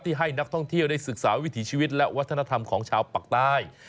ให้นักท่องเที่ยวได้ศึกษาวิถีชีวิตและวัฒนธรรมของชาวปากใต้